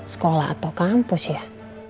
sekolah atau kampus ya